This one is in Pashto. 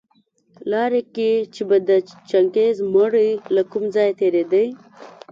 لاره کي چي به د چنګېز مړى له کوم ځايه تېرېدى